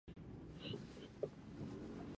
دا حديث امام ابن ماجه په خپل سنن کي روايت کړی دی .